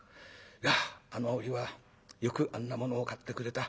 いやあの折はよくあんなものを買ってくれた。